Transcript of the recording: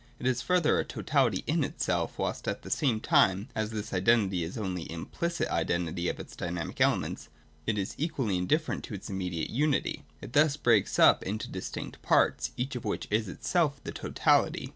It is, further, a totality in itself, whilst at the same time (as this identity is only the implicit identity of its dynamic elements) it is equally indifferent to its immediate unity. It thus breaks up into distinct parts, each of which is itself the totality.